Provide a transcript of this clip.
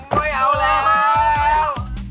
ไม่เอาแล้ว